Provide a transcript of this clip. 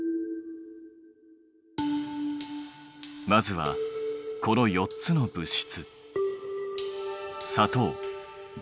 まずはこの４つの物質。